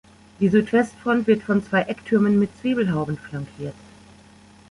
Die Südwestfront wird von zwei Ecktürmen mit Zwiebelhauben flankiert.